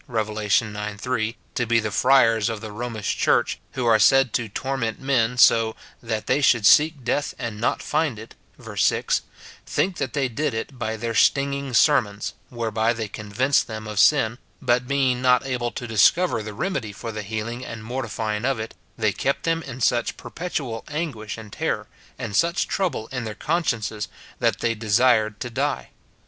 Rev. ix. 3, to be the friars of the Romish church, who are said to torment men, so " that they should seek death and not find it," verse 6, think that they did it by their stinging sermons, whereby they convinced them of sin, but being not able to dis cover the remedy for the healing and mortifying of it, they kept them in such perpetual anguish and terror, and such trouble in their consciences, that they desired to die.